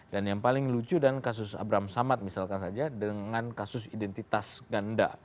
dan yang paling lucu dan kasus abraham samad misalkan saja dengan kasus identitas ganda